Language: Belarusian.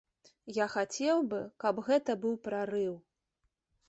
Я хацеў бы, каб гэта быў прарыў.